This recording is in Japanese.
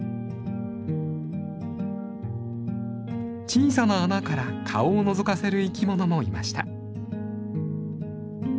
小さな穴から顔をのぞかせる生きものもいました。